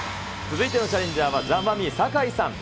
続いてのチャレンジャーは、ザ・マミィ・酒井さん。